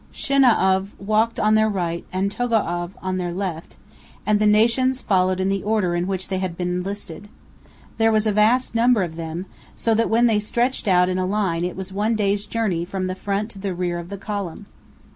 Shinau'av walked on their right and Togo'av on their left, and the nations followed in the order in which they had been enlisted. There was a vast number of them, so that when they were stretched out in line it was one day's journey from the front to the rear of the column.